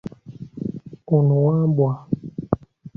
Ono Wambwa.